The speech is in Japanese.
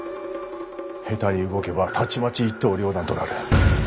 下手に動けばたちまち一刀両断となる。